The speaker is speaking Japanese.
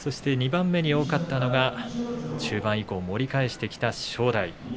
２番目に多かったのが中盤以降、盛り返してきた正代。